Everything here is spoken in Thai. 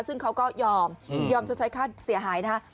ซึ่งเขาก็ยอมยอมชดใช้ค่าเสียหายนะฮะ